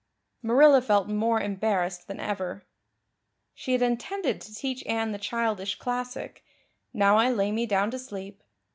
Marilla felt more embarrassed than ever. She had intended to teach Anne the childish classic, "Now I lay me down to sleep."